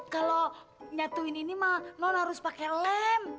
kalo nyatuin ini mah non harus pake lem